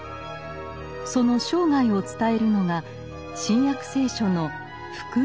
その生涯を伝えるのが「新約聖書」の「福音書」です。